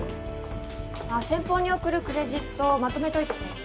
先方に送るクレジットまとめといてくれる？